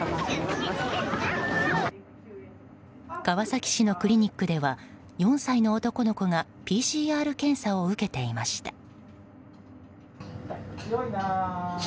川崎市のクリニックでは４歳の男の子がＰＣＲ検査を受けていました。